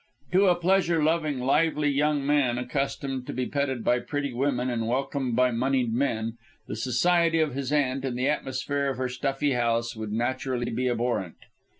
To a pleasure loving, lively young man, accustomed to be petted by pretty women and welcomed by monied men, the society of his aunt and the atmosphere of her stuffy house would naturally be abhorrent.